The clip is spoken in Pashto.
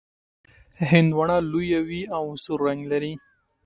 هندواڼه لویه وي او سور رنګ لري.